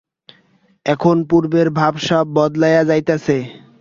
এখন পূর্বের ভাব সব বদলাইয়া যাইতেছে।